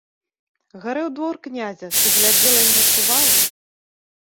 Гарэў двор князя, ты глядзела і не адчувала?